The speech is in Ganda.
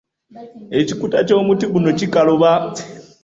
Ekikuta ky'omuti guno kikaluba.